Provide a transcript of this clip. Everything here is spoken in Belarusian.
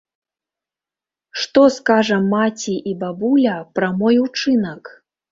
Што скажа маці і бабуля пра мой учынак?